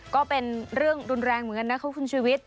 ก็เป็นเรื่องรุนแรงเหมือนกันนะครับคุณชุวิต